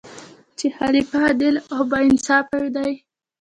چې خلیفه عادل او با انصافه دی.